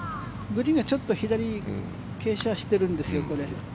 グリーンがちょっと左に傾斜しているんですよ。